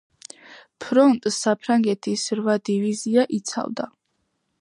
ფრონტს საფრანგეთის რვა დივიზია იცავდა.